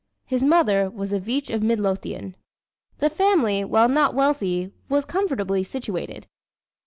His mother was a Veitch of Midlothian. The family, while not wealthy, was comfortably situated.